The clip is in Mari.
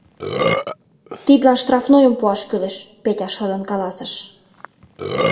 — Тидлан штрафнойым пуаш кӱлеш, — Петя шыдын каласыш.